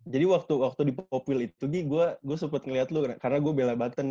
jadi waktu waktu di popwil itu nih gue gue sempet ngeliat lu karena gue bella baten